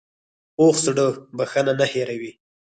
پوخ زړه بښنه نه هېروي